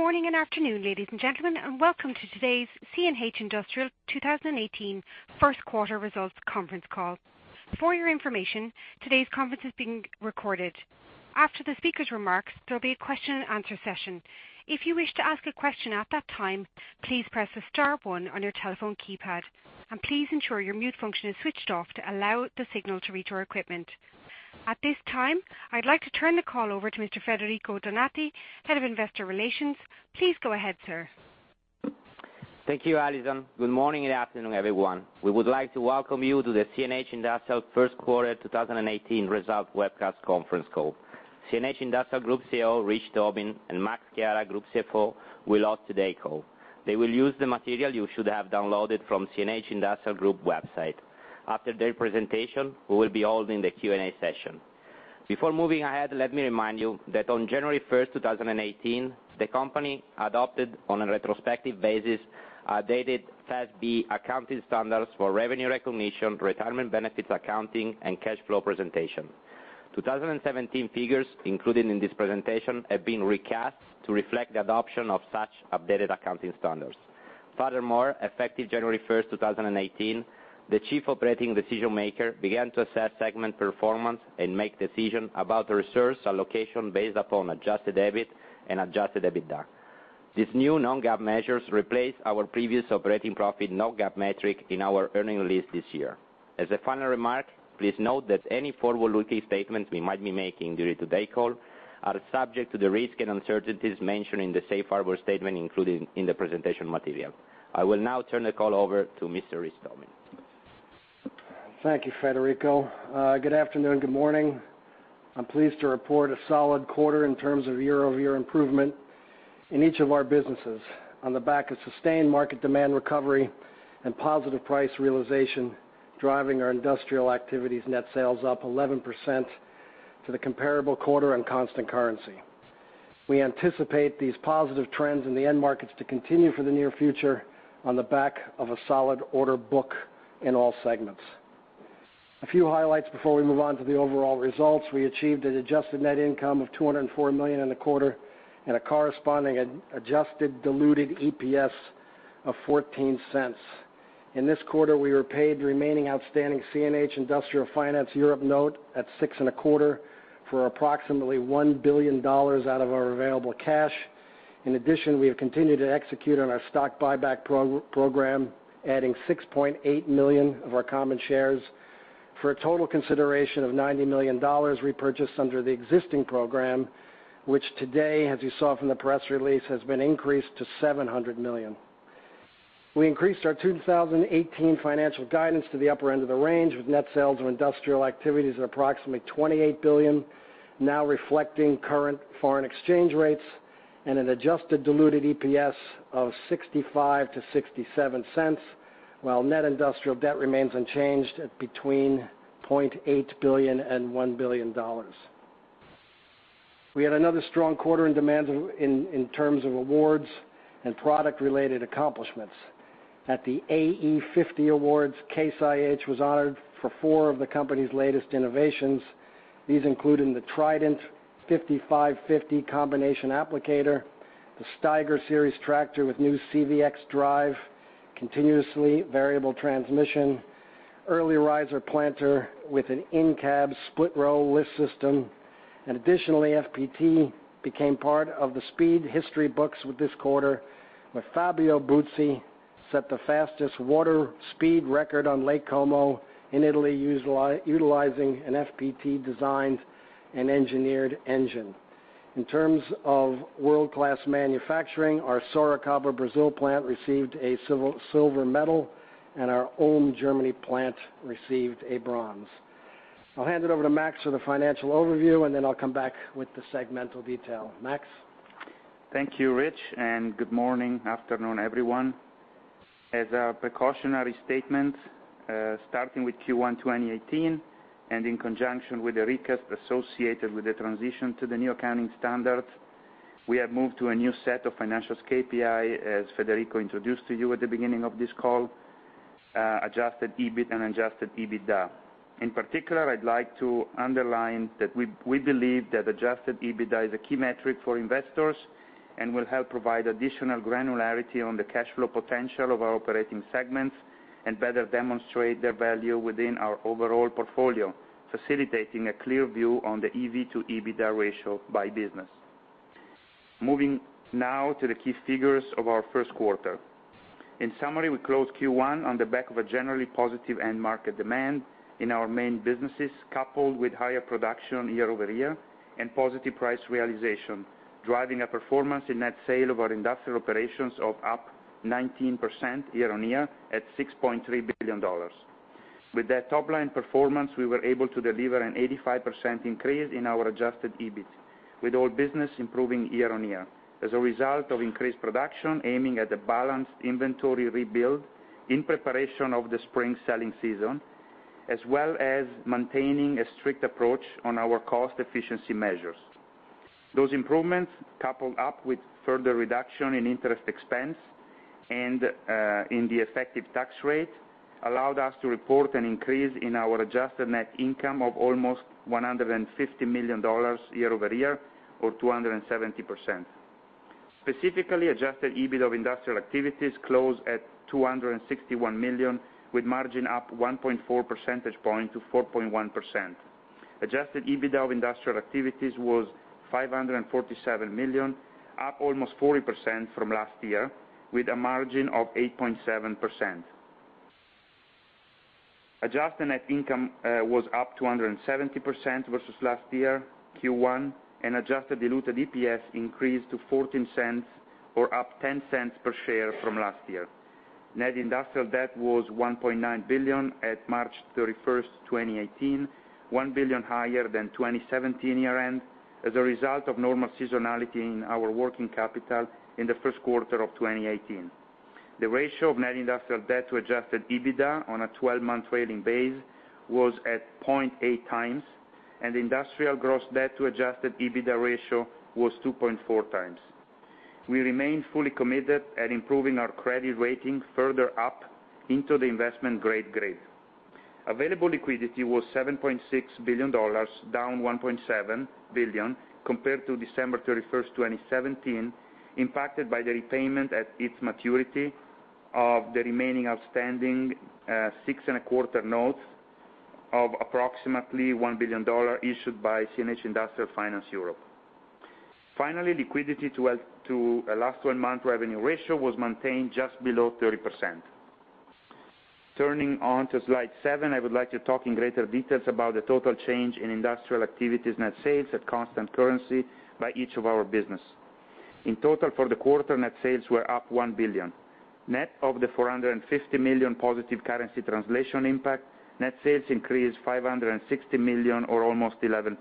Good morning and afternoon, ladies and gentlemen, and welcome to today's CNH Industrial 2018 first quarter results conference call. For your information, today's conference is being recorded. After the speaker's remarks, there'll be a question and answer session. If you wish to ask a question at that time, please press the star one on your telephone keypad, and please ensure your mute function is switched off to allow the signal to reach our equipment. At this time, I'd like to turn the call over to Mr. Federico Donati, Head of Investor Relations. Please go ahead, sir. Thank you, Alison. Good morning and afternoon, everyone. We would like to welcome you to the CNH Industrial first quarter 2018 result webcast conference call. CNH Industrial Group CEO, Richard Tobin, and Massimiliano Chiara, Group CFO, will host today's call. They will use the material you should have downloaded from CNH Industrial Group website. After their presentation, we will be holding the Q&A session. Before moving ahead, let me remind you that on January 1st, 2018, the company adopted, on a retrospective basis, updated FASB accounting standards for revenue recognition, retirement benefits accounting, and cash flow presentation. 2017 figures included in this presentation have been recast to reflect the adoption of such updated accounting standards. Furthermore, effective January 1st, 2018, the chief operating decision-maker began to assess segment performance and make decision about the resource allocation based upon adjusted EBIT and adjusted EBITDA. These new non-GAAP measures replace our previous operating profit non-GAAP metric in our earnings release this year. As a final remark, please note that any forward-looking statements we might be making during today call are subject to the risk and uncertainties mentioned in the safe harbor statement included in the presentation material. I will now turn the call over to Mr. Richard Tobin. Thank you, Federico. Good afternoon, good morning. I'm pleased to report a solid quarter in terms of year-over-year improvement in each of our businesses on the back of sustained market demand recovery and positive price realization driving our industrial activities net sales up 11% to the comparable quarter and constant currency. We anticipate these positive trends in the end markets to continue for the near future on the back of a solid order book in all segments. A few highlights before we move on to the overall results. We achieved an adjusted net income of $204 million in the quarter and a corresponding adjusted diluted EPS of $0.14. In this quarter, we repaid the remaining outstanding CNH Industrial Finance Europe note at six and a quarter for approximately $1 billion out of our available cash. In addition, we have continued to execute on our stock buyback program, adding $6.8 million of our common shares for a total consideration of $90 million repurchased under the existing program, which today, as you saw from the press release, has been increased to $700 million. We increased our 2018 financial guidance to the upper end of the range with net sales of industrial activities at approximately $28 billion, now reflecting current foreign exchange rates and an adjusted diluted EPS of $0.65 to $0.67, while net industrial debt remains unchanged at between $0.8 billion and $1 billion. We had another strong quarter in demand in terms of awards and product-related accomplishments. At the AE50 Awards, Case IH was honored for four of the company's latest innovations. These including the Trident 5550 combination applicator, the Steiger series tractor with new CVXDrive continuously variable transmission, Early Riser planter with an in-cab split-row lift system. Additionally, FPT became part of the speed history books with this quarter when Fabio Buzzi set the fastest water speed record on Lake Como in Italy, utilizing an FPT-designed and engineered engine. In terms of world-class manufacturing, our Sorocaba Brazil plant received a silver medal, and our Ulm Germany plant received a bronze. I'll hand it over to Max for the financial overview, and then I'll come back with the segmental detail. Max? Thank you, Rich. Good morning, afternoon, everyone. As a precautionary statement, starting with Q1 2018 and in conjunction with the recast associated with the transition to the new accounting standard, we have moved to a new set of financials KPI, as Federico introduced to you at the beginning of this call, adjusted EBIT and adjusted EBITDA. In particular, I'd like to underline that we believe that adjusted EBITDA is a key metric for investors and will help provide additional granularity on the cash flow potential of our operating segments and better demonstrate their value within our overall portfolio, facilitating a clear view on the EV/EBITDA ratio by business. Moving now to the key figures of our first quarter. In summary, we closed Q1 on the back of a generally positive end market demand in our main businesses, coupled with higher production year-over-year and positive price realization, driving a performance in net sale of our industrial operations of up 19% year-over-year at $6.3 billion. With that top-line performance, we were able to deliver an 85% increase in our adjusted EBIT, with all business improving year-over-year as a result of increased production aiming at a balanced inventory rebuild in preparation of the spring selling season, as well as maintaining a strict approach on our cost efficiency measures. Those improvements, coupled up with further reduction in interest expense and in the effective tax rate, allowed us to report an increase in our adjusted net income of almost $150 million year-over-year or 270%. Specifically, adjusted EBIT of Industrial Activities closed at $261 million, with margin up 1.4 percentage point to 4.1%. Adjusted EBITDA of Industrial Activities was $547 million, up almost 40% from last year, Q1, and adjusted diluted EPS increased to $0.14 or up $0.10 per share from last year. Net industrial debt was $1.9 billion at March 31st, 2018, $1 billion higher than 2017 year-end, as a result of normal seasonality in our working capital in the first quarter of 2018. The ratio of net industrial debt to adjusted EBITDA on a 12-month trailing base was at 0.8 times, and industrial gross debt to adjusted EBITDA ratio was 2.4 times. We remain fully committed at improving our credit rating further up into the investment-grade grade. Available liquidity was $7.6 billion, down $1.7 billion compared to December 31st, 2017, impacted by the repayment at its maturity of the remaining outstanding six-and-a-quarter notes of approximately $1 billion issued by CNH Industrial Finance Europe. Finally, liquidity to last 12-month revenue ratio was maintained just below 30%. Turning on to slide seven, I would like to talk in greater details about the total change in Industrial Activities' net sales at constant currency by each of our business. In total, for the quarter, net sales were up $1 billion. Net of the $450 million positive currency translation impact, net sales increased $560 million or almost 11%,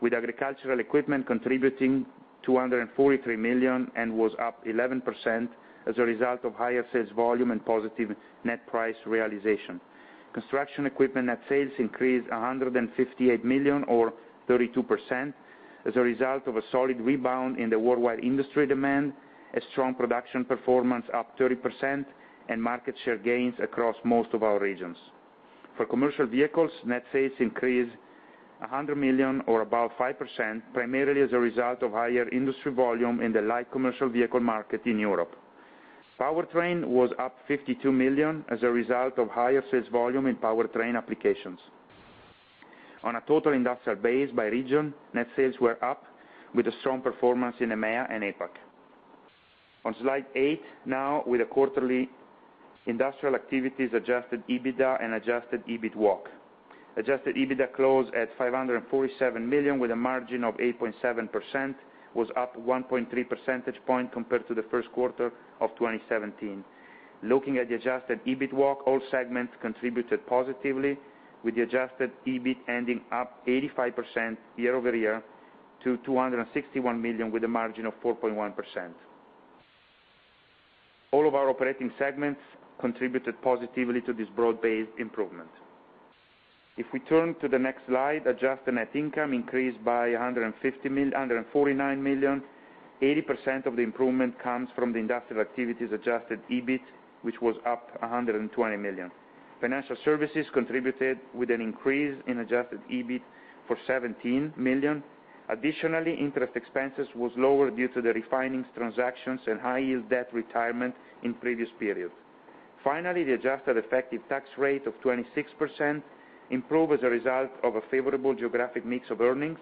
with Agricultural Equipment contributing $243 million and was up 11% as a result of higher sales volume and positive net price realization. Construction Equipment net sales increased $158 million or 32% as a result of a solid rebound in the worldwide industry demand, a strong production performance up 30%, and market share gains across most of our regions. For Commercial Vehicles, net sales increased $100 million or about 5%, primarily as a result of higher industry volume in the light commercial vehicle market in Europe. Powertrain was up $52 million as a result of higher sales volume in powertrain applications. On a total industrial base by region, net sales were up with a strong performance in EMEA and APAC. On slide eight, now with a quarterly Industrial Activities Adjusted EBITDA and Adjusted EBIT walk. Adjusted EBITDA closed at $547 million with a margin of 8.7%, was up 1.3 percentage point compared to the first quarter of 2017. Looking at the adjusted EBIT walk, all segments contributed positively with the adjusted EBIT ending up 85% year-over-year to $261 million with a margin of 4.1%. All of our operating segments contributed positively to this broad-based improvement. If we turn to the next slide, adjusted net income increased by $149 million. 80% of the improvement comes from the Industrial Activities adjusted EBIT, which was up $120 million. Financial Services contributed with an increase in adjusted EBIT for $17 million. Additionally, interest expenses was lower due to the refinanced transactions and high-yield debt retirement in previous periods. Finally, the adjusted effective tax rate of 26% improved as a result of a favorable geographic mix of earnings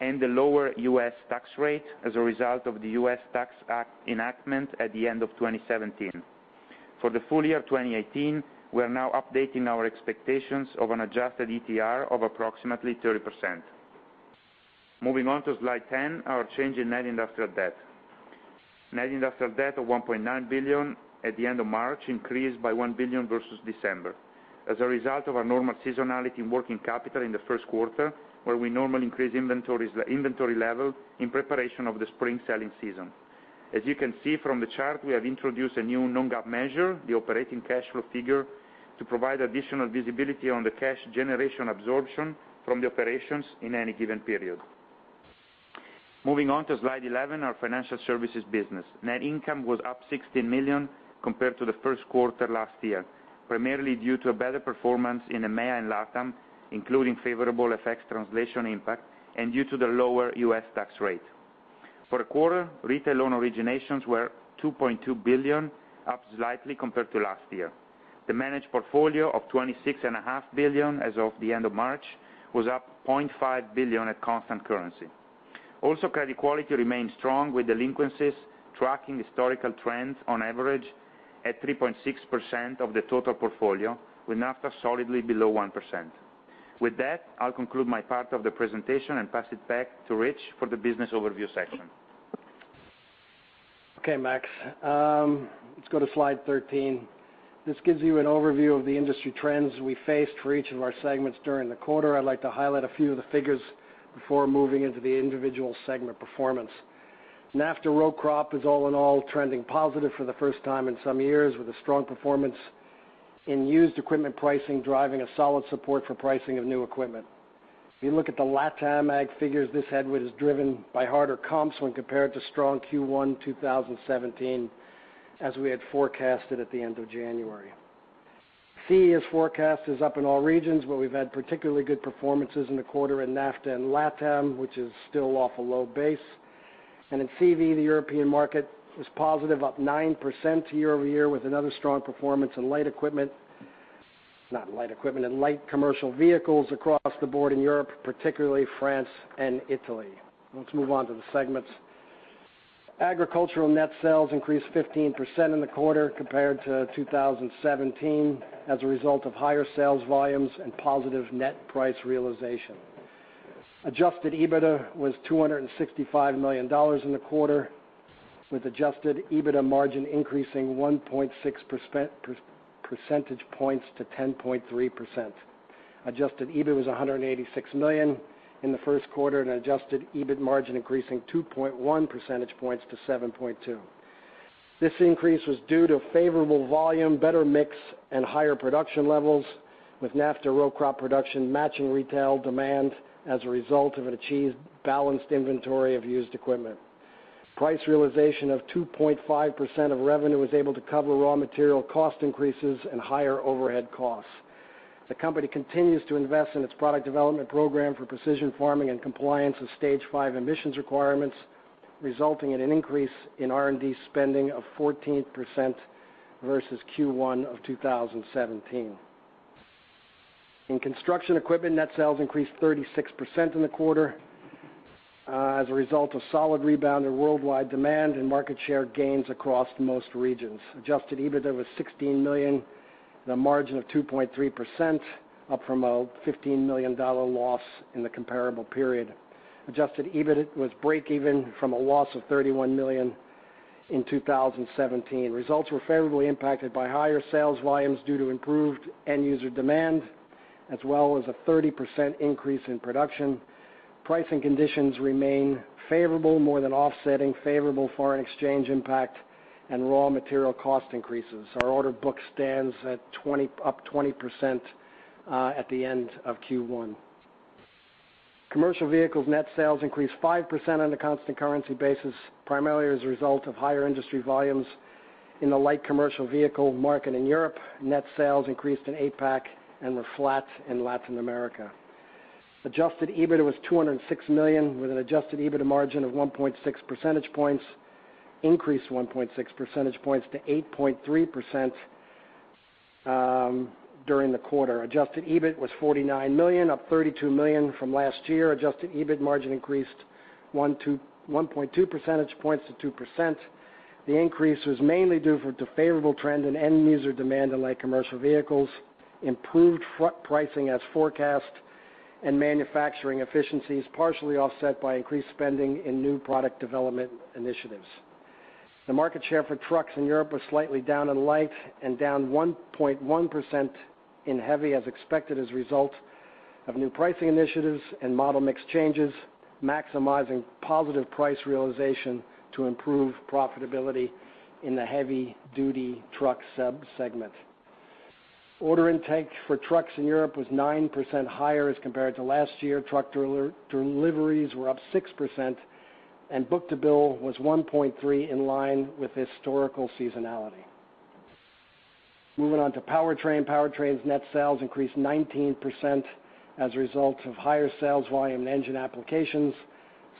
and the lower U.S. tax rate as a result of the U.S. Tax Act enactment at the end of 2017. For the full year of 2018, we are now updating our expectations of an adjusted ETR of approximately 30%. Moving on to slide 10, our change in net industrial debt. Net industrial debt of $1.9 billion at the end of March increased by $1 billion versus December as a result of our normal seasonality in working capital in the first quarter, where we normally increase inventory level in preparation of the spring selling season. As you can see from the chart, we have introduced a new non-GAAP measure, the operating cash flow figure, to provide additional visibility on the cash generation absorption from the operations in any given period. Moving on to slide 11, our Financial Services business. Net income was up $16 million compared to the first quarter last year, primarily due to a better performance in EMEA and LATAM, including favorable effects translation impact, and due to the lower U.S. tax rate. For the quarter, retail loan originations were $2.2 billion, up slightly compared to last year. The managed portfolio of $26.5 billion as of the end of March, was up $0.5 billion at constant currency. Credit quality remained strong with delinquencies tracking historical trends on average at 3.6% of the total portfolio, with NAFTA solidly below 1%. With that, I'll conclude my part of the presentation and pass it back to Rich for the business overview section. Okay, Max. Let's go to slide 13. This gives you an overview of the industry trends we faced for each of our segments during the quarter. I'd like to highlight a few of the figures before moving into the individual segment performance. NAFTA row crop is all in all trending positive for the first time in some years, with a strong performance in used equipment pricing, driving a solid support for pricing of new equipment. If you look at the LatAm Ag figures, this headwind is driven by harder comps when compared to strong Q1 2017, as we had forecasted at the end of January. CE as forecast is up in all regions, where we've had particularly good performances in the quarter in NAFTA and LatAm, which is still off a low base. In CV, the European market was positive, up 9% year-over-year with another strong performance in light equipment. Not light equipment, in light commercial vehicles across the board in Europe, particularly France and Italy. Let's move on to the segments. Agricultural net sales increased 15% in the quarter compared to 2017, as a result of higher sales volumes and positive net price realization. Adjusted EBITDA was $265 million in the quarter, with adjusted EBITDA margin increasing 1.6 percentage points to 10.3%. Adjusted EBIT was $186 million in the first quarter and adjusted EBIT margin increasing 2.1 percentage points to 7.2%. This increase was due to favorable volume, better mix, and higher production levels, with NAFTA row crop production matching retail demand as a result of an achieved balanced inventory of used equipment. Price realization of 2.5% of revenue was able to cover raw material cost increases and higher overhead costs. The company continues to invest in its product development program for precision farming and compliance with Stage V emissions requirements, resulting in an increase in R&D spending of 14% versus Q1 of 2017. In Construction Equipment, net sales increased 36% in the quarter, as a result of solid rebound in worldwide demand and market share gains across most regions. Adjusted EBITDA was $16 million, the margin of 2.3%, up from a $15 million loss in the comparable period. Adjusted EBIT was breakeven from a loss of $31 million in 2017. Results were favorably impacted by higher sales volumes due to improved end-user demand, as well as a 30% increase in production. Pricing conditions remain favorable, more than offsetting favorable foreign exchange impact and raw material cost increases. Our order book stands up 20% at the end of Q1. Commercial Vehicles net sales increased 5% on a constant currency basis, primarily as a result of higher industry volumes in the light commercial vehicle market in Europe. Net sales increased in APAC and were flat in Latin America. Adjusted EBITDA was $206 million, with an adjusted EBITDA margin of 1.6 percentage points, increased 1.6 percentage points to 8.3% during the quarter. Adjusted EBIT was $49 million, up $32 million from last year. Adjusted EBIT margin increased 1.2 percentage points to 2%. The increase was mainly due to favorable trend in end-user demand in light commercial vehicles, improved pricing as forecast, and manufacturing efficiencies partially offset by increased spending in new product development initiatives. The market share for trucks in Europe was slightly down in light and down 1.1% in heavy as expected as a result of new pricing initiatives and model mix changes, maximizing positive price realization to improve profitability in the heavy-duty truck subsegment. Order intake for trucks in Europe was 9% higher as compared to last year. Truck deliveries were up 6%, and book-to-bill was 1.3, in line with historical seasonality. Moving on to Powertrain. Powertrain's net sales increased 19% as a result of higher sales volume in engine applications.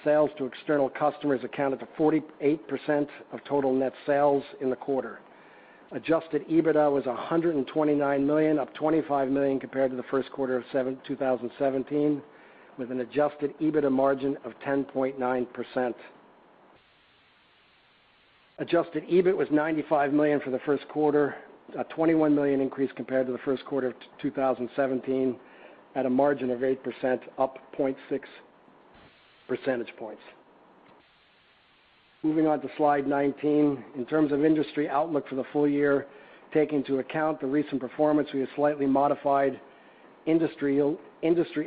Sales to external customers accounted to 48% of total net sales in the quarter. Adjusted EBITDA was $129 million, up $25 million compared to the first quarter of 2017, with an adjusted EBITDA margin of 10.9%. Adjusted EBIT was $95 million for the first quarter, a $21 million increase compared to the first quarter of 2017, at a margin of 8%, up 0.6 percentage points. Moving on to slide 19. In terms of industry outlook for the full year, taking into account the recent performance, we have slightly modified industry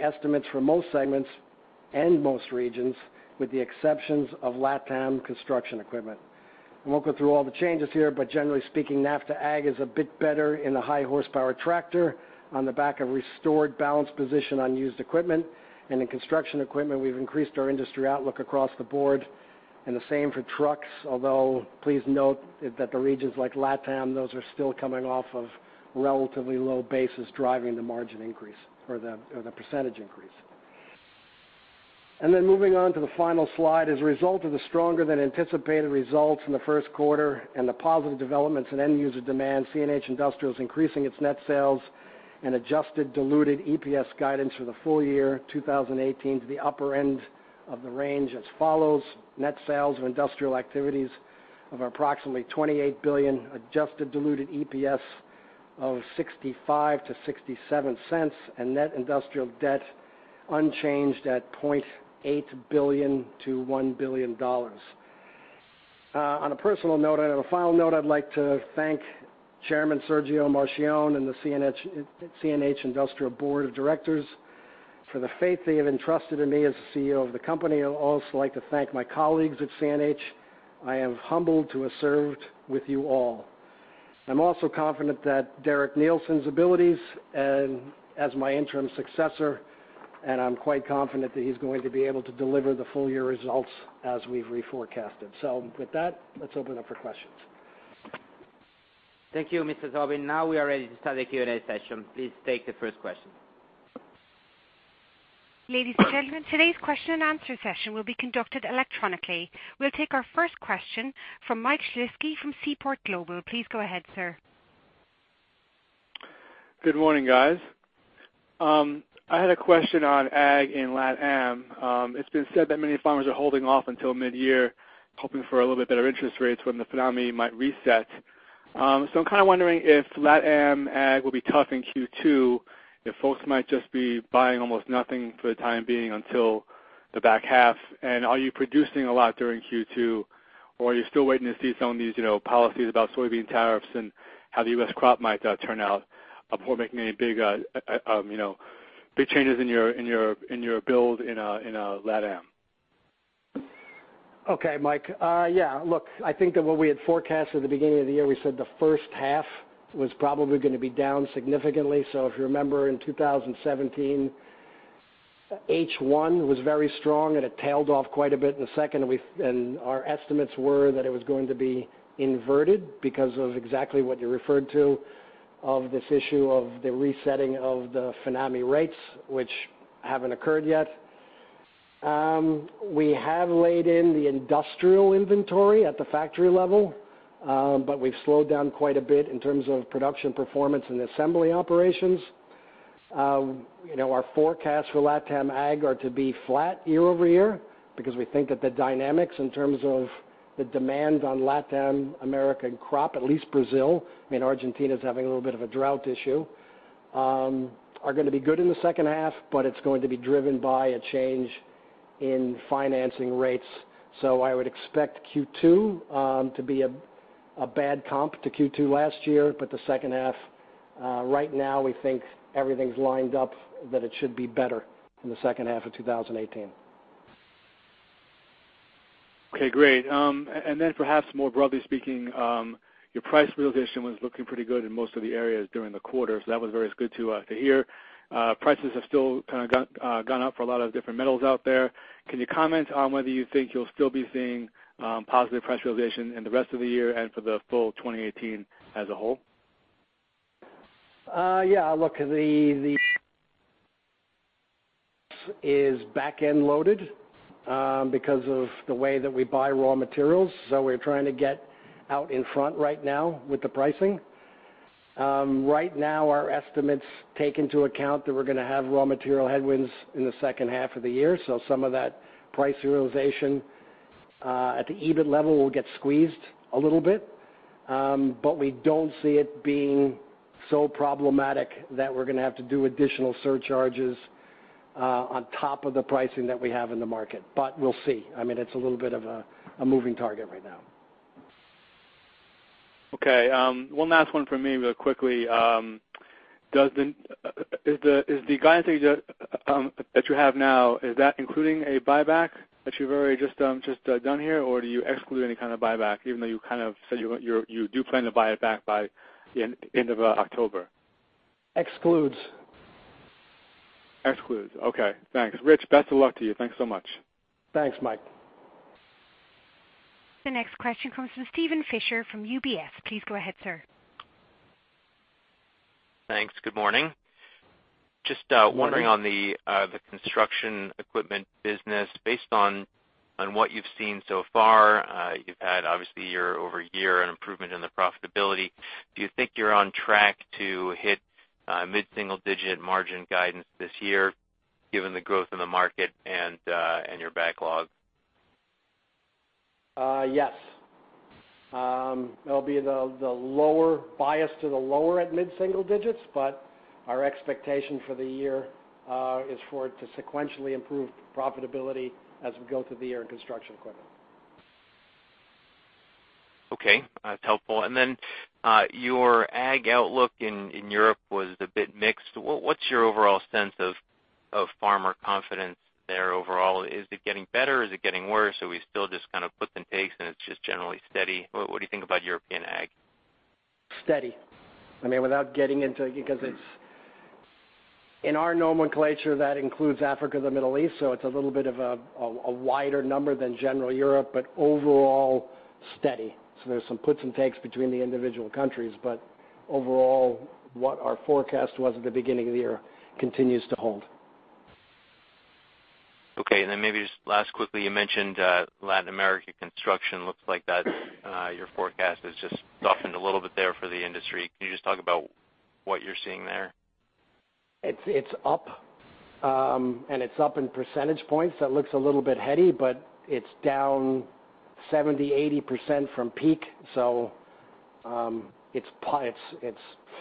estimates for most segments and most regions, with the exceptions of LatAm Construction Equipment. We won't go through all the changes here, but generally speaking, NAFTA Ag is a bit better in the high horsepower tractor on the back of restored balanced position on used equipment. In Construction Equipment, we've increased our industry outlook across the board. The same for trucks, although please note that the regions like LatAm, those are still coming off of relatively low bases driving the margin increase or the percentage increase. Moving on to the final slide. As a result of the stronger than anticipated results in the first quarter and the positive developments in end-user demand, CNH Industrial is increasing its net sales and adjusted diluted EPS guidance for the full year 2018 to the upper end of the range as follows: Net sales of Industrial Activities of approximately $28 billion, adjusted diluted EPS of $0.65-$0.67, and net industrial debt unchanged at $0.8 billion-$1 billion. On a personal note and on a final note, I'd like to thank Chairman Sergio Marchionne and the CNH Industrial Board of Directors for the faith that you have entrusted in me as the CEO of the company. I'd also like to thank my colleagues at CNH. I am humbled to have served with you all. I'm also confident that Derek Neilson's abilities as my interim successor. I'm quite confident that he's going to be able to deliver the full year results as we've reforecasted. With that, let's open up for questions. Thank you, Mr. Tobin. Now we are ready to start the Q&A session. Please take the first question. Ladies and gentlemen, today's question and answer session will be conducted electronically. We'll take our first question from Michael Shlisky from Seaport Global. Please go ahead, sir. Good morning, guys. I had a question on ag in LatAm. It's been said that many farmers are holding off until mid-year, hoping for a little bit better interest rates when the FINAME might reset. I'm kind of wondering if LatAm ag will be tough in Q2, if folks might just be buying almost nothing for the time being until the back half. Are you producing a lot during Q2, or are you still waiting to see some of these policies about soybean tariffs and how the U.S. crop might turn out before making any big changes in your build in LatAm? Okay, Mike. I think that when we had forecast at the beginning of the year, we said the first half was probably going to be down significantly. If you remember, in 2017, H1 was very strong, and it tailed off quite a bit in the second half. Our estimates were that it was going to be inverted because of exactly what you referred to, of this issue of the resetting of the FINAME rates, which haven't occurred yet. We have laid in the industrial inventory at the factory level. We've slowed down quite a bit in terms of production performance and assembly operations. Our forecasts for LatAm ag are to be flat year-over-year because we think that the dynamics in terms of the demand on LatAm American crop, at least Brazil, and Argentina's having a little bit of a drought issue, are going to be good in the second half, but it's going to be driven by a change in financing rates. I would expect Q2 to be a bad comp to Q2 last year, but the second half, right now, we think everything's lined up that it should be better in the second half of 2018. Okay, great. Perhaps more broadly speaking, your price realization was looking pretty good in most of the areas during the quarter. That was very good to hear. Prices have still kind of gone up for a lot of different metals out there. Can you comment on whether you think you'll still be seeing positive price realization in the rest of the year and for the full 2018 as a whole? Yeah, look, the is back-end loaded because of the way that we buy raw materials. We're trying to get out in front right now with the pricing. Right now, our estimates take into account that we're going to have raw material headwinds in the second half of the year. Some of that price realization at the EBIT level will get squeezed a little bit. We don't see it being so problematic that we're going to have to do additional surcharges on top of the pricing that we have in the market. We'll see. It's a little bit of a moving target right now. Okay. One last one from me real quickly. Is the guidance that you have now, is that including a buyback that you've already just done here? Do you exclude any kind of buyback, even though you kind of said you do plan to buy it back by the end of October? Excludes. Excludes. Okay, thanks. Rich, best of luck to you. Thanks so much. Thanks, Mike. The next question comes from Steven Fisher from UBS. Please go ahead, sir. Thanks. Good morning. Just wondering on the construction equipment business. Based on what you've seen so far, you've had obviously year-over-year an improvement in the profitability. Do you think you're on track to hit mid-single-digit margin guidance this year given the growth in the market and your backlog? Yes. It'll be the lower bias to the lower at mid-single-digits. Our expectation for the year is for it to sequentially improve profitability as we go through the year in construction equipment. Okay. That's helpful. Your ag outlook in Europe was a bit mixed. What's your overall sense of farmer confidence there overall? Is it getting better? Is it getting worse? Are we still just kind of puts and takes and it's just generally steady? What do you think about European ag? Steady. Without getting into it, because it's in our nomenclature, that includes Africa, the Middle East, so it's a little bit of a wider number than general Europe, but overall steady. There's some puts and takes between the individual countries. Overall, what our forecast was at the beginning of the year continues to hold. Okay. Maybe just last quickly, you mentioned Latin America construction looks like that your forecast has just softened a little bit there for the industry. Can you just talk about what you're seeing there? It's up, and it's up in percentage points. That looks a little bit heady, but it's down 70%, 80% from peak. It's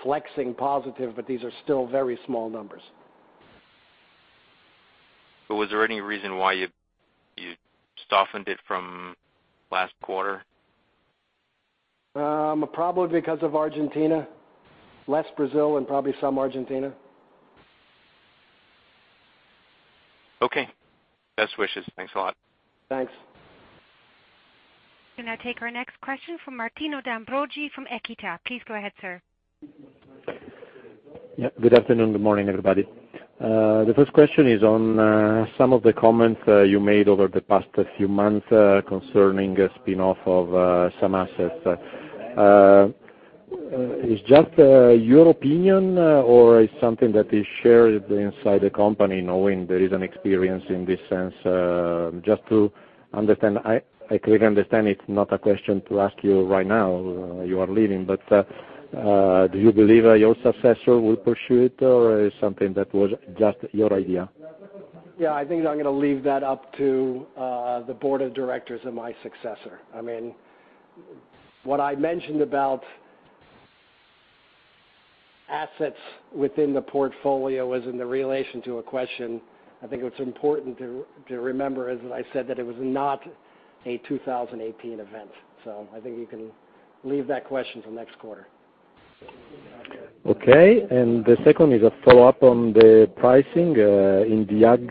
flexing positive, but these are still very small numbers. Was there any reason why you softened it from last quarter? Probably because of Argentina. Less Brazil and probably some Argentina. Okay. Best wishes. Thanks a lot. Thanks. We'll now take our next question from Martino De Ambroggi from Equita. Please go ahead, sir. Yeah. Good afternoon. Good morning, everybody. The first question is on some of the comments you made over the past few months concerning spin-off of some assets. Is it just your opinion or is something that is shared inside the company knowing there is an experience in this sense? Just to understand, I clearly understand it's not a question to ask you right now, you are leaving, but do you believe your successor will pursue it or is something that was just your idea? Yeah. I think I'm going to leave that up to the board of directors and my successor. What I mentioned about assets within the portfolio is in the relation to a question, I think it's important to remember, as I said, that it was not a 2018 event. I think you can leave that question till next quarter. Okay. The second is a follow-up on the pricing. In the ag,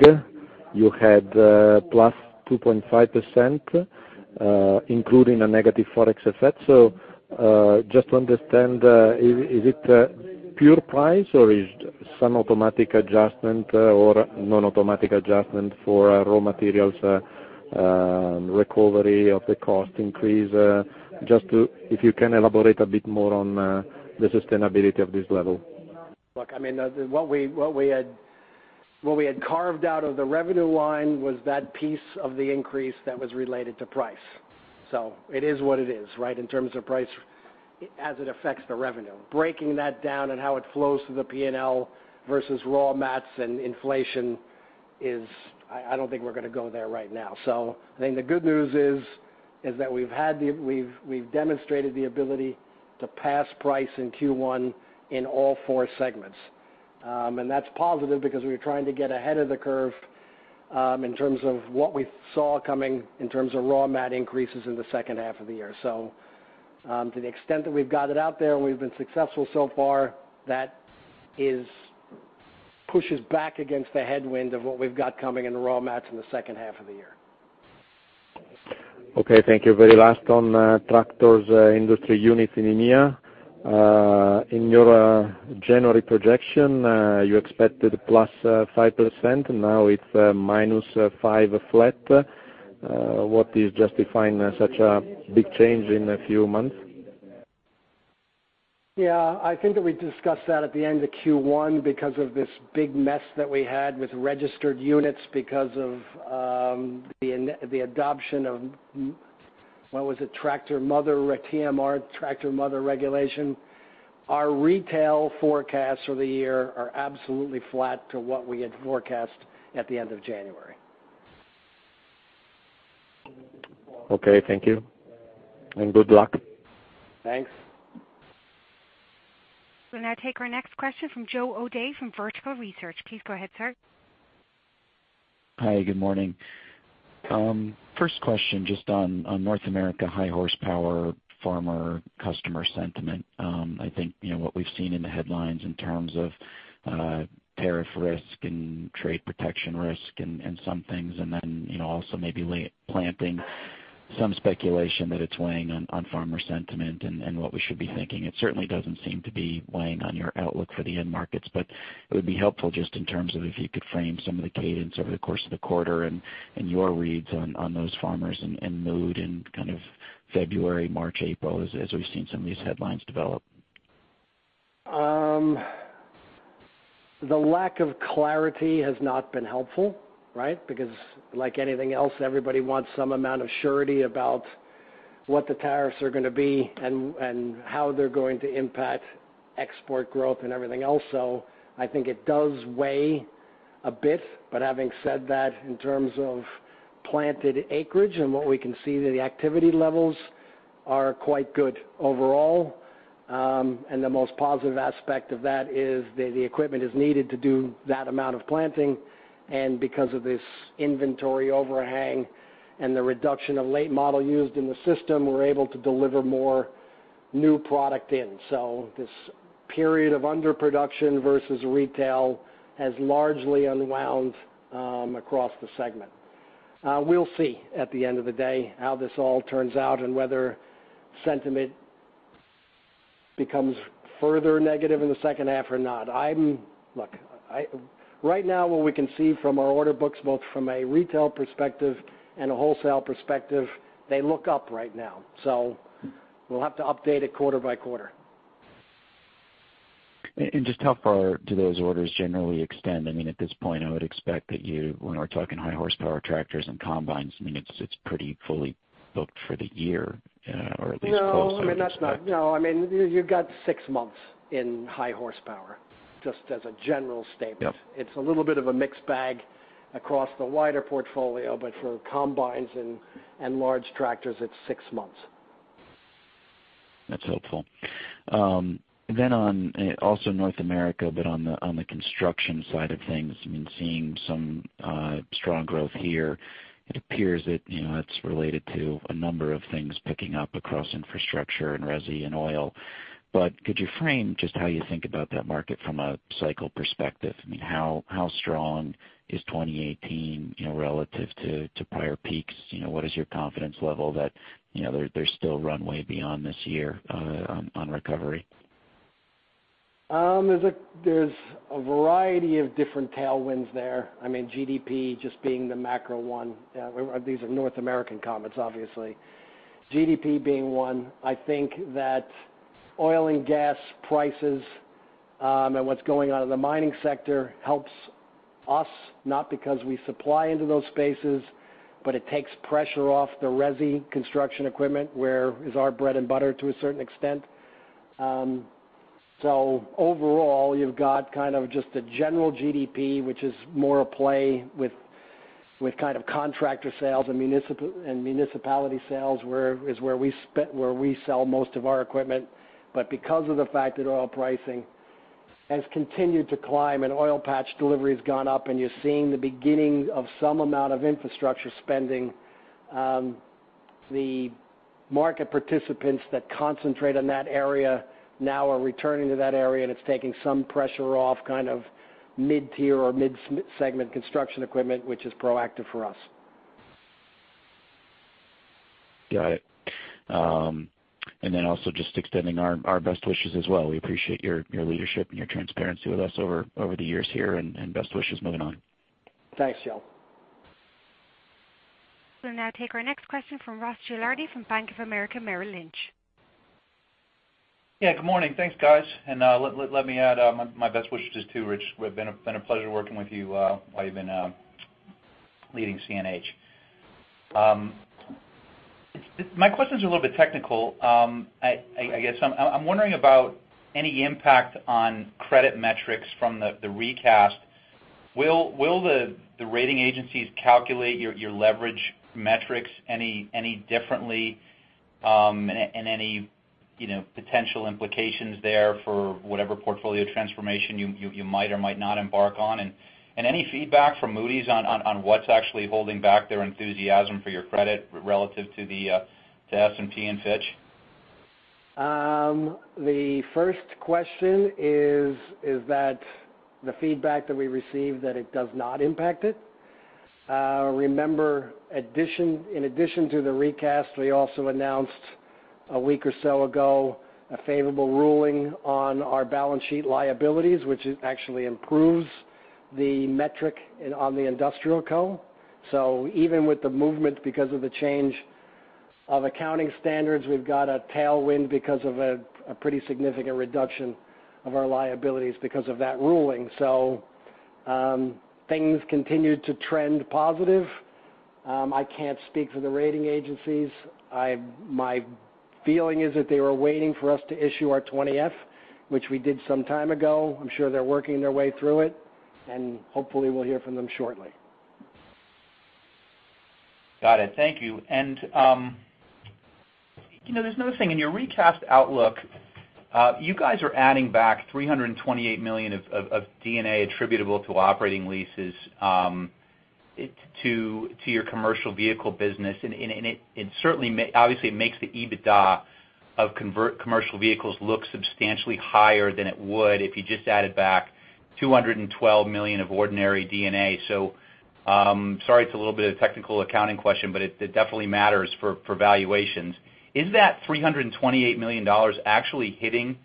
you had +2.5%, including a negative Forex effect. Just to understand, is it pure price or is some automatic adjustment or non-automatic adjustment for raw materials, recovery of the cost increase? If you can elaborate a bit more on the sustainability of this level. Look, what we had carved out of the revenue line was that piece of the increase that was related to price. It is what it is, right, in terms of price as it affects the revenue. Breaking that down and how it flows through the P&L versus raw mats and inflation is I don't think we're going to go there right now. I think the good news is that we've demonstrated the ability to pass price in Q1 in all four segments. That's positive because we were trying to get ahead of the curve, in terms of what we saw coming in terms of raw mat increases in the second half of the year. To the extent that we've got it out there and we've been successful so far, that pushes back against the headwind of what we've got coming in raw mats in the second half of the year. Okay, thank you. Very last on tractors industry units in EMEA. In your January projection, you expected +5%. Now it is -5% flat. What is justifying such a big change in a few months? Yeah, I think that we discussed that at the end of Q1 because of this big mess that we had with registered units because of the adoption of, what was it? Tractor Mother, TMR, Tractor Mother Regulation. Our retail forecasts for the year are absolutely flat to what we had forecast at the end of January. Okay, thank you. Good luck. Thanks. We will now take our next question from Joe O'Dea from Vertical Research. Please go ahead, sir. Hi, good morning. First question, just on North America, high horsepower farmer customer sentiment. I think what we've seen in the headlines in terms of tariff risk and trade protection risk and some things, also maybe late planting. Some speculation that it's weighing on farmer sentiment and what we should be thinking. It certainly doesn't seem to be weighing on your outlook for the end markets. It would be helpful just in terms of if you could frame some of the cadence over the course of the quarter and your reads on those farmers and mood in kind of February, March, April, as we've seen some of these headlines develop. The lack of clarity has not been helpful, right? Because like anything else, everybody wants some amount of surety about what the tariffs are going to be and how they're going to impact export growth and everything else. I think it does weigh a bit. Having said that, in terms of planted acreage and what we can see, the activity levels are quite good overall. The most positive aspect of that is the equipment is needed to do that amount of planting. Because of this inventory overhang and the reduction of late model used in the system, we're able to deliver more new product in. This period of underproduction versus retail has largely unwound across the segment. We'll see at the end of the day how this all turns out and whether sentiment becomes further negative in the second half or not. Look, right now, what we can see from our order books, both from a retail perspective and a wholesale perspective, they look up right now. We'll have to update it quarter by quarter. Just how far do those orders generally extend? At this point, I would expect that you, when we're talking high horsepower tractors and combines, it's pretty fully booked for the year, or at least close. How would you expect- You've got six months in high horsepower, just as a general statement. Yep. It's a little bit of a mixed bag across the wider portfolio, for combines and large tractors, it's six months. That's helpful. On also North America, on the construction side of things, been seeing some strong growth here. It appears that it's related to a number of things picking up across infrastructure and resi and oil. Could you frame just how you think about that market from a cycle perspective? I mean, how strong is 2018 relative to prior peaks? What is your confidence level that there's still runway beyond this year on recovery? There's a variety of different tailwinds there. GDP just being the macro one. These are North American comments, obviously. GDP being one. I think that oil and gas prices, and what's going on in the mining sector helps us not because we supply into those spaces, it takes pressure off the resi construction equipment, where is our bread and butter to a certain extent. Overall, you've got kind of just the general GDP, which is more a play with kind of contractor sales and municipality sales, where we sell most of our equipment. Because of the fact that oil pricing has continued to climb and oil patch delivery's gone up, and you're seeing the beginning of some amount of infrastructure spending. The market participants that concentrate on that area now are returning to that area, and it's taking some pressure off kind of mid-tier or mid-segment construction equipment, which is proactive for us. Got it. Also just extending our best wishes as well. We appreciate your leadership and your transparency with us over the years here, and best wishes moving on. Thanks, Joe. We'll now take our next question from Ross Gilardi from Bank of America Merrill Lynch. Good morning. Thanks, guys. Let me add my best wishes too, Rich. It's been a pleasure working with you while you've been leading CNH. My question's a little bit technical. I'm wondering about any impact on credit metrics from the recast. Will the rating agencies calculate your leverage metrics any differently? Any potential implications there for whatever portfolio transformation you might or might not embark on, and any feedback from Moody's on what's actually holding back their enthusiasm for your credit relative to S&P and Fitch? The first question is that the feedback that we received that it does not impact it. Remember, in addition to the recast, we also announced a week or so ago a favorable ruling on our balance sheet liabilities, which actually improves the metric on the industrial co. Even with the movement because of the change of accounting standards, we've got a tailwind because of a pretty significant reduction of our liabilities because of that ruling. Things continue to trend positive. I can't speak for the rating agencies. My feeling is that they were waiting for us to issue our 20F, which we did some time ago. I'm sure they're working their way through it, and hopefully we'll hear from them shortly. Got it. Thank you. There's another thing. In your recast outlook, you guys are adding back $328 million of D&A attributable to operating leases to your commercial vehicle business, and it certainly obviously makes the EBITDA of commercial vehicles look substantially higher than it would if you just added back $212 million of ordinary D&A. Sorry, it's a little bit of a technical accounting question, but it definitely matters for valuations. Is that $328 million actually hitting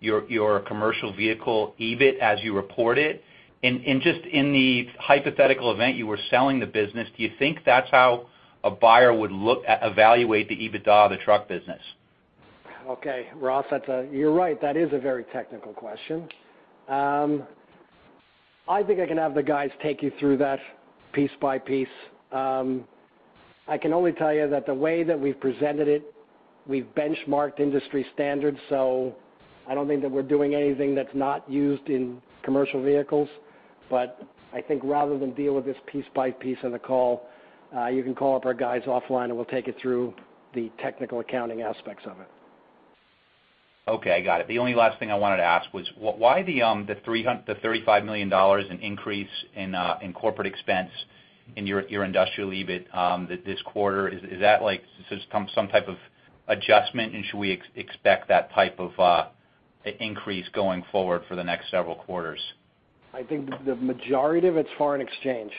your commercial vehicle EBIT as you report it? Just in the hypothetical event you were selling the business, do you think that's how a buyer would evaluate the EBITDA of the truck business? Okay, Ross, you're right. That is a very technical question. I think I can have the guys take you through that piece by piece. I can only tell you that the way that we've presented it, we've benchmarked industry standards. I don't think that we're doing anything that's not used in commercial vehicles. I think rather than deal with this piece by piece on the call, you can call up our guys offline, and we'll take you through the technical accounting aspects of it. Okay, got it. The only last thing I wanted to ask was why the $35 million increase in corporate expense in your industrial EBIT this quarter. Is that like some type of adjustment, and should we expect that type of increase going forward for the next several quarters? I think the majority of it's foreign exchange.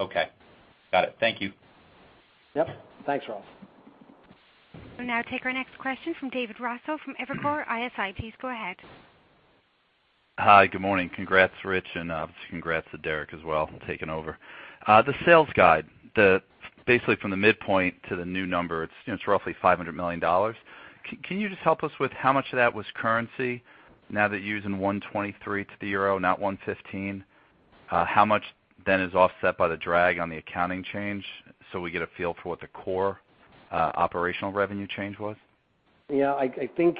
Okay, got it. Thank you. Yep. Thanks, Ross. We'll now take our next question from David Raso from Evercore ISI. Please go ahead. Hi. Good morning. Congrats, Rich, and congrats to Derek as well for taking over. The sales guide, basically from the midpoint to the new number, it's roughly $500 million. Can you just help us with how much of that was currency now that you're using $1.23 to the euro, not $1.15? How much is offset by the drag on the accounting change so we get a feel for what the core operational revenue change was? Yeah. I think,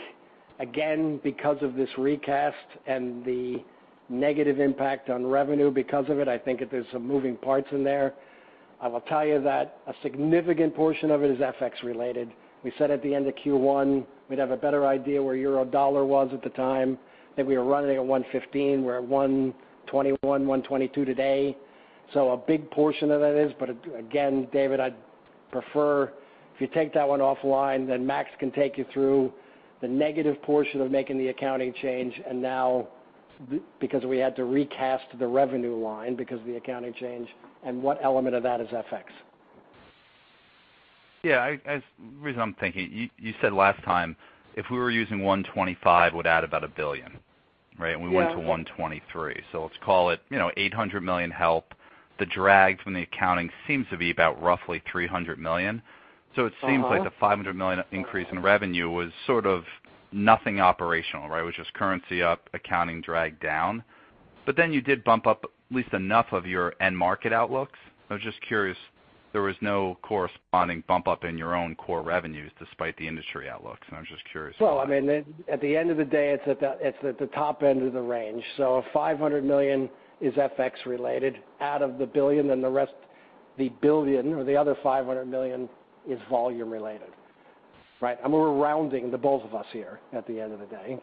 again, because of this recast and the negative impact on revenue because of it, I think that there's some moving parts in there. I will tell you that a significant portion of it is FX related. We said at the end of Q1, we'd have a better idea where euro dollar was at the time, that we were running at 115. We're at 121, 122 today. A big portion of that is, again, David, I'd prefer if you take that one offline, Max can take you through the negative portion of making the accounting change and now because we had to recast the revenue line because of the accounting change, and what element of that is FX. Yeah. The reason I'm thinking, you said last time if we were using 125, it would add about 1 billion, right? Yeah. We went to 123. Let's call it $800 million help. The drag from the accounting seems to be about roughly $300 million. It seems like the $500 million increase in revenue was sort of nothing operational, right? It was just currency up, accounting drag down. You did bump up at least enough of your end market outlooks. I was just curious, there was no corresponding bump up in your own core revenues despite the industry outlooks, and I'm just curious why. At the end of the day, it's at the top end of the range. If $500 million is FX related out of the $1 billion, the rest, the $1 billion or the other $500 million is volume related, right? We're rounding, the both of us here, at the end of the day.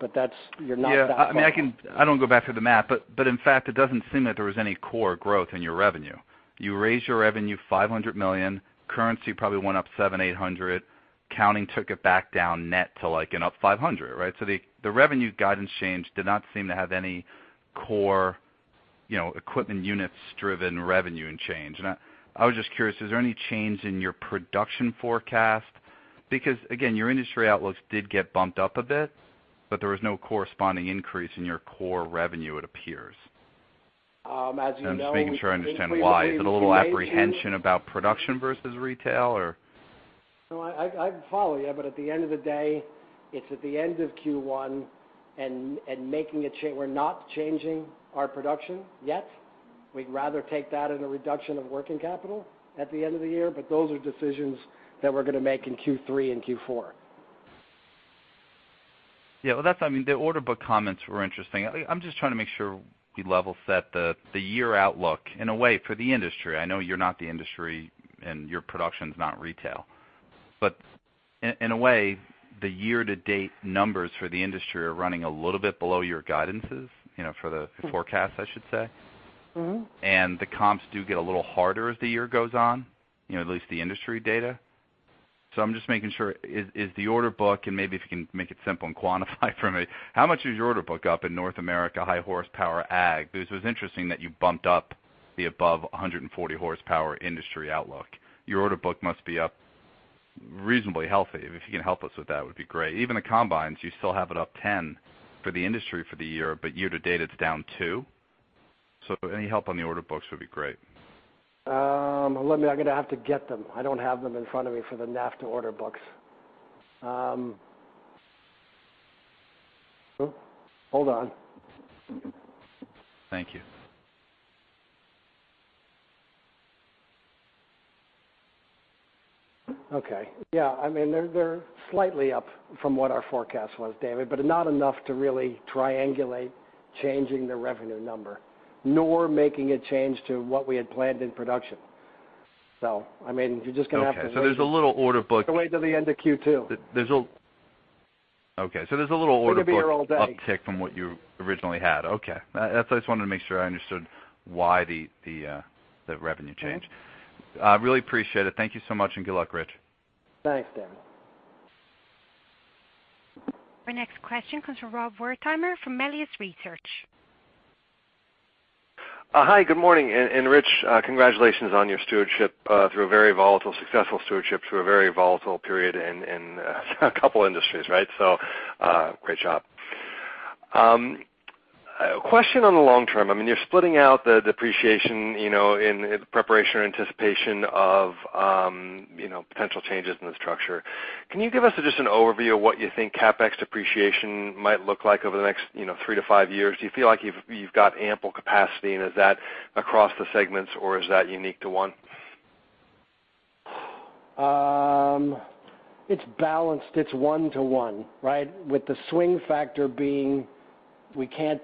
You're not that far off. I don't want to go back through the math, it doesn't seem that there was any core growth in your revenue. You raised your revenue $500 million. Currency probably went up $700-$800 million. Accounting took it back down net to an up $500 million, right? The revenue guidance change did not seem to have any core equipment units driven revenue in change. I was just curious, is there any change in your production forecast? Your industry outlooks did get bumped up a bit, there was no corresponding increase in your core revenue, it appears. As you know I'm just making sure I understand why. Increasingly, we made the Is it a little apprehension about production versus retail, or? I follow you, at the end of the day, it's at the end of Q1, and we're not changing our production yet. We'd rather take that as a reduction of working capital at the end of the year. Those are decisions that we're going to make in Q3 and Q4. The order book comments were interesting. I'm just trying to make sure we level set the year outlook in a way for the industry. I know you're not the industry and your production's not retail. In a way, the year-to-date numbers for the industry are running a little bit below your guidances, for the forecast, I should say. The comps do get a little harder as the year goes on, at least the industry data. I'm just making sure. Is the order book, and maybe if you can make it simple and quantify for me, how much is your order book up in North America high horsepower ag? Because it was interesting that you bumped up the above 140 horsepower industry outlook. Your order book must be up reasonably healthy. If you can help us with that, it would be great. Even the combines, you still have it up 10 for the industry for the year, but year to date, it's down two. Any help on the order books would be great. I'm going to have to get them. I don't have them in front of me for the NAFTA order books. Hold on. Thank you. Okay. Yeah. They're slightly up from what our forecast was, David, but not enough to really triangulate changing the revenue number, nor making a change to what we had planned in production. You're just going to have to wait. Okay. There's a little order book. Just wait until the end of Q2. Okay. There's a little order book- We could be here all day uptick from what you originally had. Okay. I just wanted to make sure I understood why the revenue change. Okay. I really appreciate it. Thank you so much, and good luck, Rich. Thanks, David. Our next question comes from Rob Wertheimer from Melius Research. Hi, good morning. Rich, congratulations on your stewardship through a very volatile, successful stewardship through a very volatile period in a couple industries, right? Great job. A question on the long term. You're splitting out the depreciation in preparation or anticipation of potential changes in the structure. Can you give us just an overview of what you think CapEx depreciation might look like over the next three to five years? Do you feel like you've got ample capacity, and is that across the segments or is that unique to one? It's balanced. It's one to one, right? With the swing factor being we can't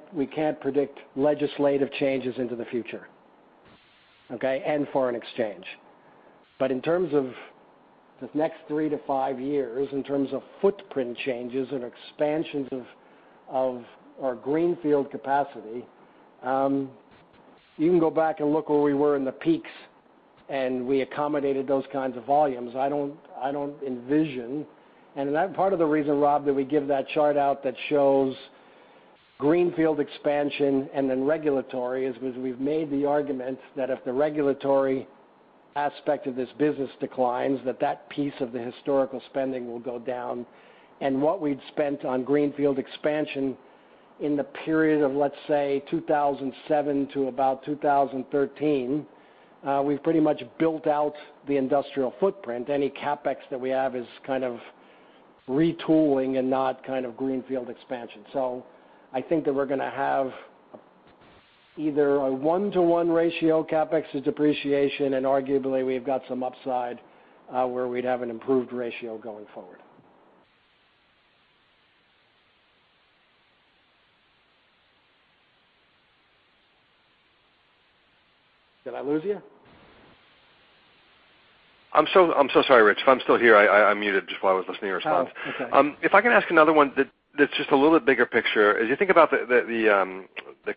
predict legislative changes into the future. Okay? Foreign exchange. In terms of the next three to five years, in terms of footprint changes and expansions of our greenfield capacity, you can go back and look where we were in the peaks, and we accommodated those kinds of volumes. I don't envision, part of the reason, Rob, that we give that chart out that shows greenfield expansion and then regulatory is because we've made the argument that if the regulatory aspect of this business declines, that that piece of the historical spending will go down. What we'd spent on greenfield expansion in the period of, let's say, 2007 to about 2013, we've pretty much built out the industrial footprint. Any CapEx that we have is kind of retooling and not kind of greenfield expansion. I think that we're going to have either a one-to-one ratio, CapEx to depreciation, and arguably we've got some upside where we'd have an improved ratio going forward. Did I lose you? I'm so sorry, Rich. I'm still here. I muted just while I was listening to your response. Oh, okay. If I can ask another one that's just a little bit bigger picture. As you think about the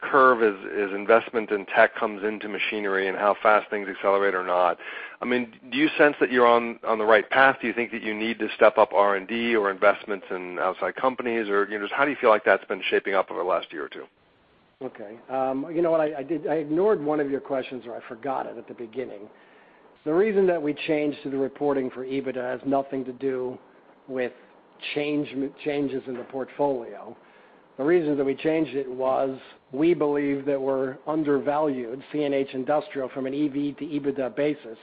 curve as investment in tech comes into machinery and how fast things accelerate or not. Do you sense that you're on the right path? Do you think that you need to step up R&D or investments in outside companies? Just how do you feel like that's been shaping up over the last year or two? Okay. You know what? I ignored one of your questions, or I forgot it at the beginning. The reason that we changed to the reporting for EBITDA has nothing to do with changes in the portfolio. The reason that we changed it was we believe that we're undervalued CNH Industrial from an EV to EBITDA basis,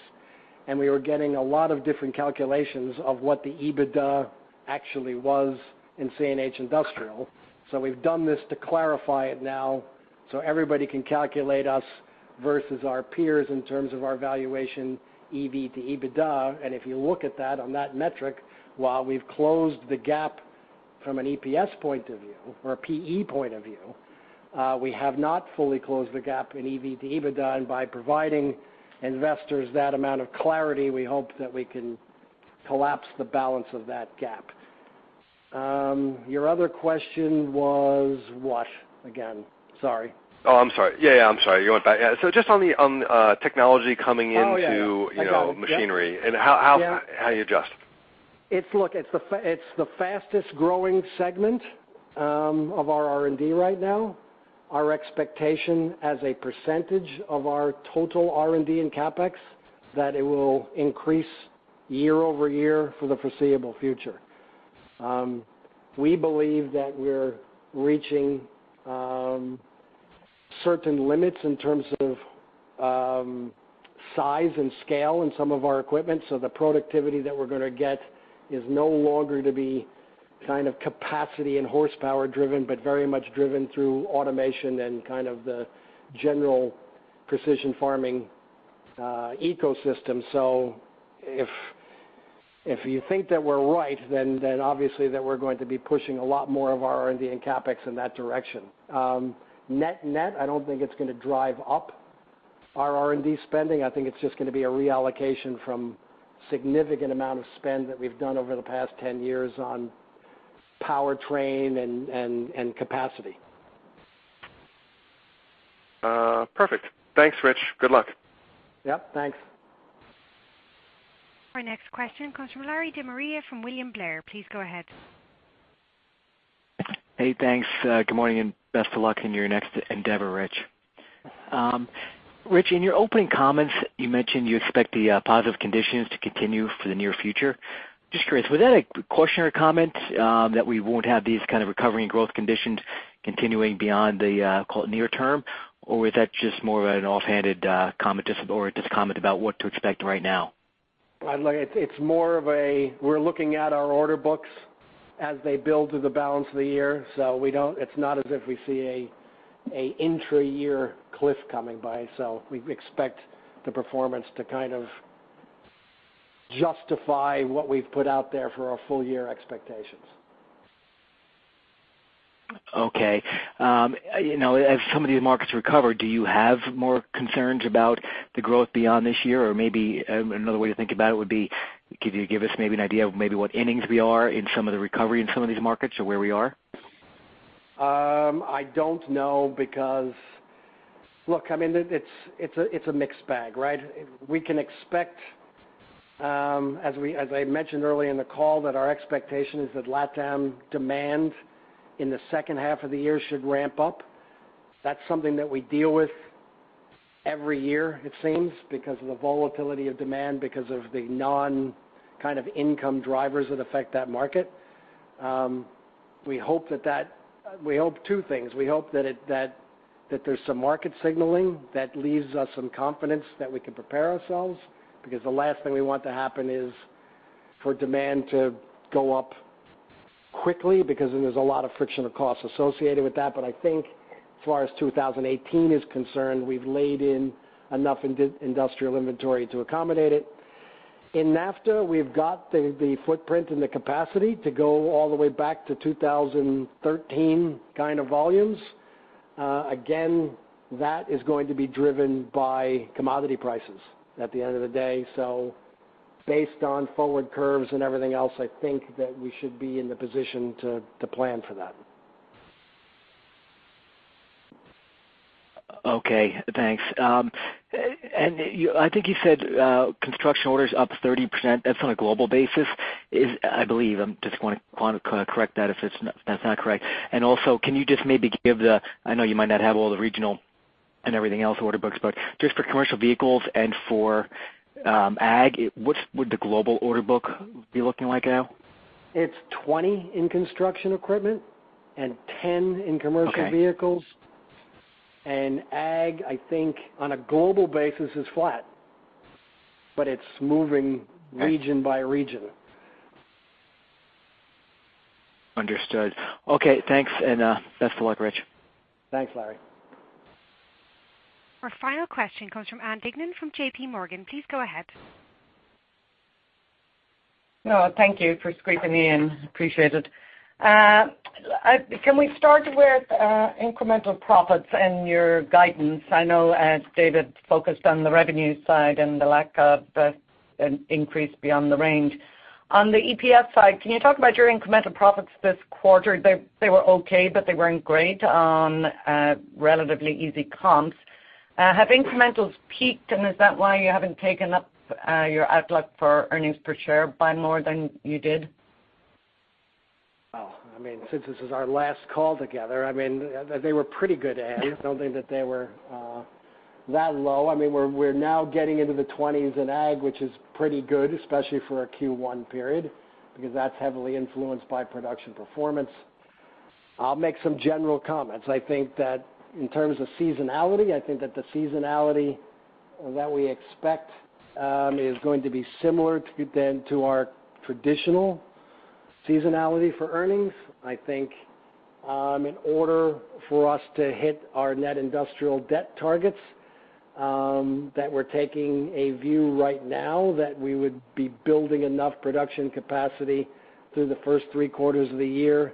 and we were getting a lot of different calculations of what the EBITDA actually was in CNH Industrial. We've done this to clarify it now so everybody can calculate us versus our peers in terms of our valuation, EV to EBITDA. If you look at that on that metric, while we've closed the gap from an EPS point of view or a PE point of view, we have not fully closed the gap in EV to EBITDA. By providing investors that amount of clarity, we hope that we can collapse the balance of that gap. Your other question was what, again? Sorry. Oh, I'm sorry. Yeah. You went back. Just on the technology coming into- Oh, yeah machinery and how you adjust. Look, it's the fastest growing segment of our R&D right now. Our expectation as a percentage of our total R&D in CapEx, that it will increase year-over-year for the foreseeable future. We believe that we're reaching certain limits in terms of size and scale in some of our equipment. The productivity that we're going to get is no longer to be capacity and horsepower driven, but very much driven through automation and the general precision farming ecosystem. Net, I don't think it's going to drive up our R&D spending. I think it's just going to be a reallocation from significant amount of spend that we've done over the past 10 years on powertrain and capacity. Perfect. Thanks, Rich. Good luck. Yep, thanks. Our next question comes from Larry DeMaria from William Blair. Please go ahead. Hey, thanks. Good morning and best of luck in your next endeavor, Rich. Rich, in your opening comments, you mentioned you expect the positive conditions to continue for the near future. Just curious, was that a cautionary comment that we won't have these kind of recovery and growth conditions continuing beyond the near term, or was that just more of an offhanded comment or just comment about what to expect right now? We're looking at our order books as they build to the balance of the year. It's not as if we see an intra-year cliff coming by. We expect the performance to kind of justify what we've put out there for our full year expectations. Okay. As some of these markets recover, do you have more concerns about the growth beyond this year? Maybe another way to think about it would be, could you give us maybe an idea of maybe what innings we are in some of the recovery in some of these markets or where we are? I don't know because, look, it's a mixed bag, right? We can expect, as I mentioned early in the call, that our expectation is that LatAm demand in the second half of the year should ramp up. That's something that we deal with every year, it seems, because of the volatility of demand, because of the non-kind of income drivers that affect that market. We hope two things. We hope that there's some market signaling that leaves us some confidence that we can prepare ourselves, because the last thing we want to happen is for demand to go up quickly because then there's a lot of frictional costs associated with that. I think as far as 2018 is concerned, we've laid in enough industrial inventory to accommodate it. In NAFTA, we've got the footprint and the capacity to go all the way back to 2013 kind of volumes. Again, that is going to be driven by commodity prices at the end of the day. Based on forward curves and everything else, I think that we should be in the position to plan for that. Okay, thanks. I think you said construction orders up 30%. That's on a global basis, I believe. I just want to correct that if that's not correct. Also, can you just maybe give the, I know you might not have all the regional and everything else order books, but just for commercial vehicles and for ag, what would the global order book be looking like now? It's 20 in construction equipment and 10 in commercial vehicles. Okay. ag, I think on a global basis is flat, but it's moving region by region. Understood. Okay, thanks, and best of luck, Rich. Thanks, Larry. Our final question comes from Ann Duignan from JP Morgan. Please go ahead. Thank you for squeezing me in. Appreciate it. Can we start with incremental profits and your guidance? I know as David focused on the revenue side and the lack of an increase beyond the range. On the EPS side, can you talk about your incremental profits this quarter? They were okay, but they weren't great on relatively easy comps. Have incrementals peaked, and is that why you haven't taken up your outlook for earnings per share by more than you did? Since this is our last call together, they were pretty good, Ann. I don't think that they were that low. We're now getting into the 20s in Ag, which is pretty good, especially for a Q1 period, because that's heavily influenced by production performance. I'll make some general comments. I think that in terms of seasonality, I think that the seasonality that we expect is going to be similar to our traditional seasonality for earnings. I think in order for us to hit our net industrial debt targets, that we're taking a view right now that we would be building enough production capacity through the first three quarters of the year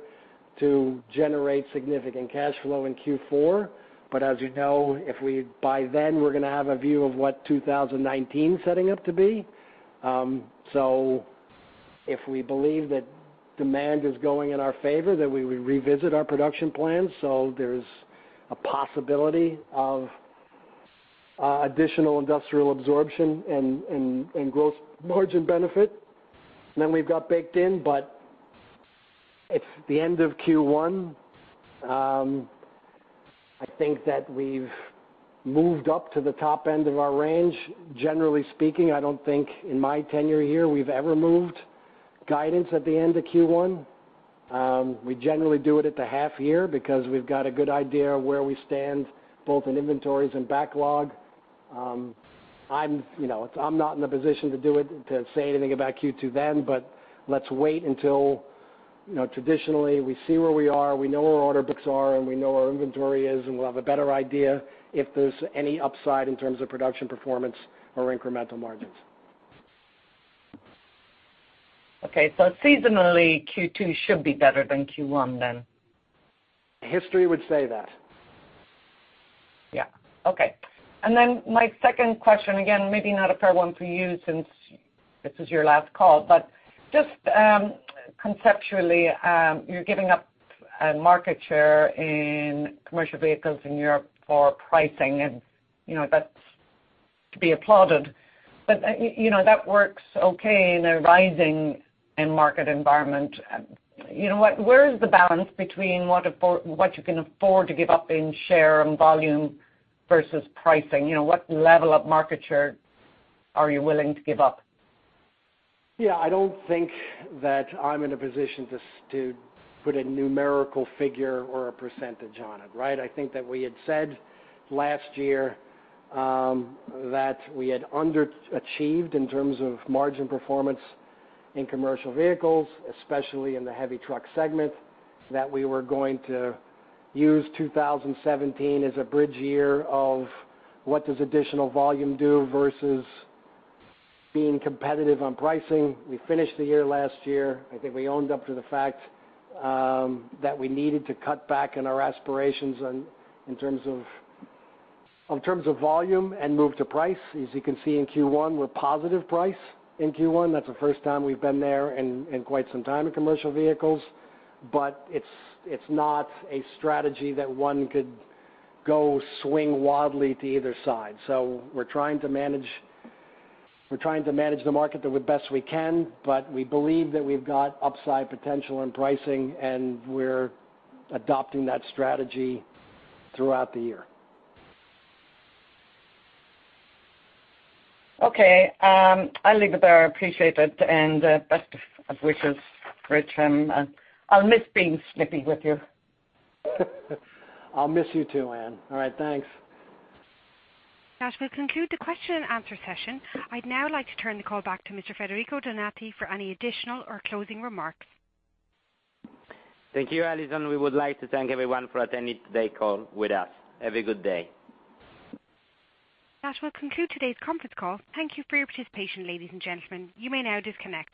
to generate significant cash flow in Q4. As you know, by then we're going to have a view of what 2019's setting up to be. If we believe that demand is going in our favor, then we would revisit our production plans. There's a possibility of additional industrial absorption and gross margin benefit than we've got baked in. It's the end of Q1. I think that we've moved up to the top end of our range. Generally speaking, I don't think in my tenure here we've ever moved guidance at the end of Q1. We generally do it at the half year because we've got a good idea of where we stand both in inventories and backlog. I'm not in the position to do it, to say anything about Q2 then. Let's wait until traditionally we see where we are, we know where our order books are, and we know where our inventory is, and we'll have a better idea if there's any upside in terms of production performance or incremental margins. Okay, seasonally Q2 should be better than Q1 then? History would say that. Yeah. Okay. My second question, again, maybe not a fair one for you since this is your last call, just conceptually, you're giving up market share in commercial vehicles in Europe for pricing and that's to be applauded. That works okay in a rising end market environment. Where is the balance between what you can afford to give up in share and volume versus pricing? What level of market share are you willing to give up? Yeah, I don't think that I'm in a position to put a numerical figure or a percentage on it, right? I think that we had said last year that we had underachieved in terms of margin performance in commercial vehicles, especially in the heavy truck segment, that we were going to use 2017 as a bridge year of what does additional volume do versus being competitive on pricing. We finished the year last year. I think we owned up to the fact that we needed to cut back on our aspirations in terms of volume and move to price. As you can see in Q1, we're positive price in Q1. That's the first time we've been there in quite some time in commercial vehicles. It's not a strategy that one could go swing wildly to either side. We are trying to manage the market the best we can, but we believe that we've got upside potential in pricing, and we're adopting that strategy throughout the year. Okay. I'll leave it there. Appreciate it. Best of wishes, Rich, and I'll miss being snippy with you. I'll miss you too, Ann. All right, thanks. That will conclude the question and answer session. I'd now like to turn the call back to Mr. Federico Donati for any additional or closing remarks. Thank you, Alison. We would like to thank everyone for attending today's call with us. Have a good day. That will conclude today's conference call. Thank you for your participation, ladies and gentlemen. You may now disconnect.